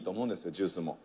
ジュースも」